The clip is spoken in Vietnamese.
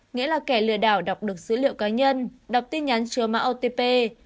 nghĩa là kẻ lừa đảo đọc được dữ liệu cá nhân đọc tin nhắn chứa mã otp